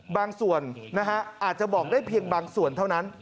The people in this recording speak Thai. บางส่วนอาจจะบอกได้เพียงบางส่วนเท่านั้น